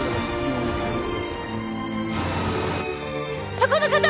そこの方！